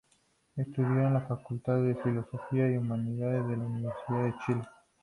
Estudió en la Facultad de Filosofía y Humanidades de la Universidad de Chile.